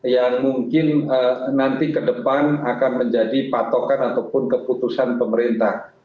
yang mungkin nanti ke depan akan menjadi patokan ataupun keputusan pemerintah